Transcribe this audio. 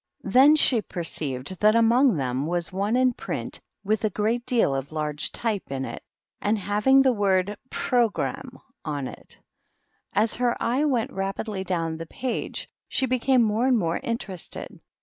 Then she perceived that among tl was one in print, with a great deal of large t in it, and having the word Programme on 1 As her eye went rapidly down the page, became more and more interested.